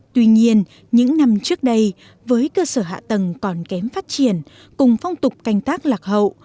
tuy nhiên những năm trước đây với cơ sở hạ tầng còn kém phát triển cùng phong tục canh tác lạc hậu